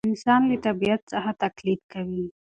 انسان له طبیعت څخه تقلید کوي.